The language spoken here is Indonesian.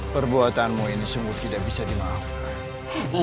perbuatanmu ini sungguh tidak bisa dimaafkan